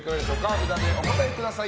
札でお答えください。